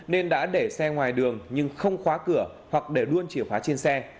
nên đã để xe ngoài đường nhưng không khóa cửa hoặc để luôn chìa khóa trên xe